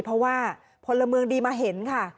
เพราะว่าพลเมืองดีมาเห็นค่ะ